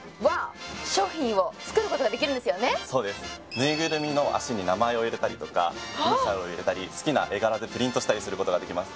ぬいぐるみの足に名前を入れたりとかイニシャルを入れたり好きな絵柄でプリントしたりすることができます